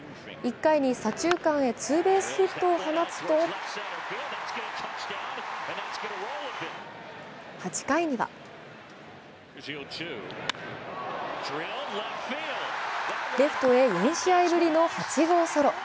１回に左中間へツーベースヒットを放つと８回にはレフトへの４試合ぶりの８号ソロ。